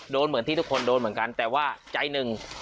เหมือนที่ทุกคนโดนเหมือนกันแต่ว่าใจหนึ่ง